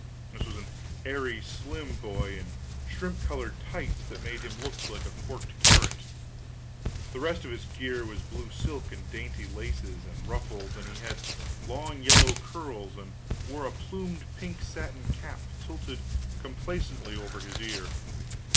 This was an airy slim boy in shrimp colored tights that made him look like a forked carrot, the rest of his gear was blue silk and dainty laces and ruffles; and he had long yellow curls, and wore a plumed pink satin cap tilted complacently over his ear.